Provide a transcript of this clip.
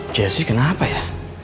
jesse kenapa ya